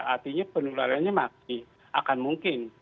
artinya penularannya masih akan mungkin